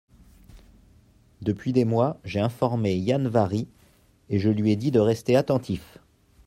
Depuis des mois j’ai informé Yann-Vari, et je lui ai dit de rester attentif.